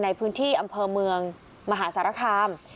ในพื้นที่อำเภอเมืองมหาสารคาม